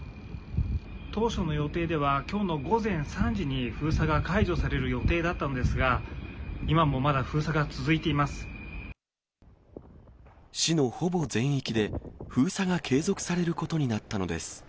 当初の予定では、きょうの午前３時に封鎖が解除される予定だったのですが、今もま市のほぼ全域で、封鎖が継続されることになったのです。